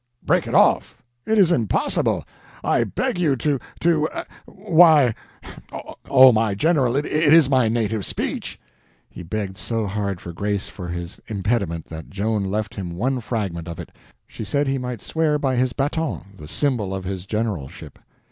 "Break it off? It is impossible! I beg you to—to—Why—oh, my General, it is my native speech!" He begged so hard for grace for his impediment, that Joan left him one fragment of it; she said he might swear by his baton, the symbol of his generalship.